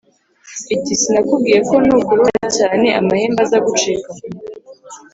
iti sinakubwiye ko nukurura cyane amahembe aza gucika,